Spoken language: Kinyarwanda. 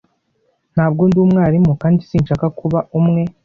Ntabwo ndi umwarimu kandi sinshaka kuba umwe.